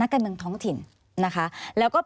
อันดับสุดท้าย